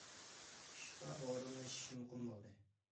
ئىشقا ئورۇنلىشىش مۇقىم بولدى.